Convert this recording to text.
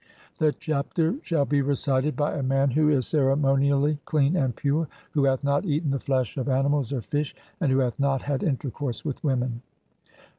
THIS CHAPTER SHALL HE RECITED BY A MAN WHO IS CEREMONIALLY CLEAN AND PURE, WHO HATH NOT EATEN THE FLESH OF ANIMALS OR FISH, AND WHO HATH NOT HAD INTERCOURSE WITH WOMEN.